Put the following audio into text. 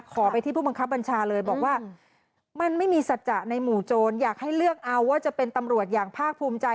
ขอไปที่ผู้บังคับบัญชาเลยบอกว่ามันไม่มีสัจจะในหมู่โจรอยากให้เลือกเอาว่าจะเป็นตำรวจอย่างภาคภูมิใจ